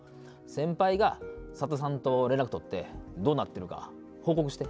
先輩が佐田さんと連絡取ってどうなってるか報告して。